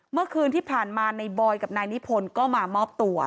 เมื่อคืนที่ผ่านมาในบอยกับนายนิพนธ์ก็มามอบตัว